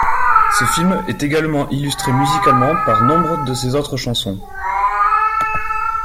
Ce film est également illustré musicalement par nombre de ses autres chansons.